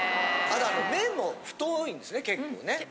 あの麺も太いんですね結構ね。